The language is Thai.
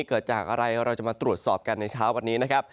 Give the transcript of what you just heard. เกิดจากอะไรเราจะมาตรวจสอบกันในเช้าวันนี้นะครับ